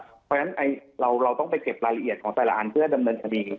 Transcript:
เพราะฉะนั้นเราต้องไปเก็บรายละเอียดของแต่ละอันเพื่อดำเนินคดี